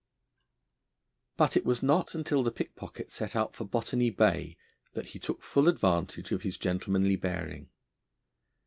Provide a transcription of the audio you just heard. But it was not until the pickpocket set out for Botany Bay that he took full advantage of his gentlemanly bearing.